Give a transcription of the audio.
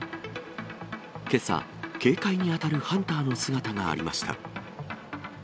けさ、警戒に当たるハンターの姿がありました。